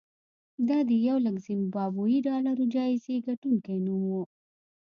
دا د یولک زیمبابويي ډالرو جایزې ګټونکي نوم و.